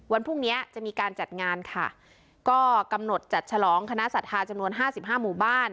พรุ่งเนี้ยจะมีการจัดงานค่ะก็กำหนดจัดฉลองคณะศรัทธาจำนวนห้าสิบห้าหมู่บ้าน